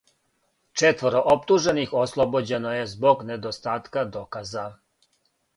Четворо оптужених ослобођено је због недостатка доказа.